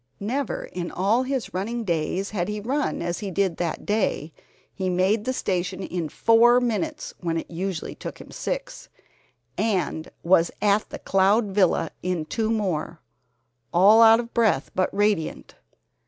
Never in all his running days had he run as he did that day. He made the station in four minutes where it usually took him six, and was at the Cloud Villa in two more, all out of breath but radiant.